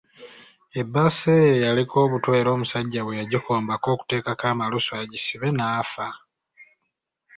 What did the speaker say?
Ebbaasa eyo yaliko obutwa era omusajja bwe yagikombako okuteekako amalusu agisibe n’afa.